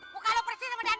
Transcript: muka lo persis sama dandang